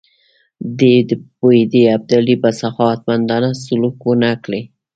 دی پوهېدی ابدالي به سخاوتمندانه سلوک ونه کړي.